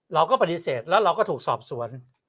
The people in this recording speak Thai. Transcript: เราก็ปฏิเสธแล้วเราก็ถูกสอบสวน